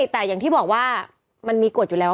แต่อย่างที่บอกว่ามันมีกฎอยู่แล้ว